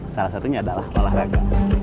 salah satunya adalah olahraga